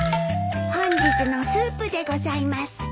本日のスープでございます。